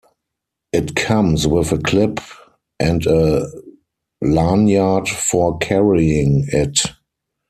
It comes with a clip and a lanyard for carrying it.